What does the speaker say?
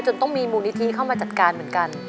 ต้องมีมูลนิธิเข้ามาจัดการเหมือนกัน